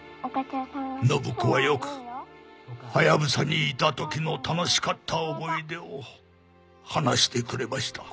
展子はよくハヤブサにいた時の楽しかった思い出を話してくれました。